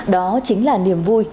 đó chính là niềm vui